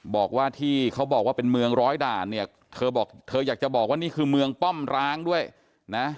บอกว่าที่เขาบอกว่าเป็นเมืองร้อยด่านเนี่ยเธอบอกเธออยากจะบอกว่านี่คือเมืองป้อมร้างด้วยนะ